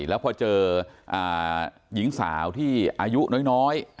แล้วพอเจอหญิงสาวที่อายุน้อย